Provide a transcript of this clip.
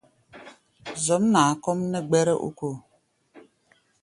Zɔ̌mnaa kɔ́ʼm nɛ́ gbɛ́rá ókóo.